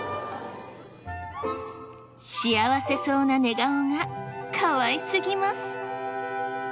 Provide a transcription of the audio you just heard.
幸せそうな寝顔がかわいすぎます。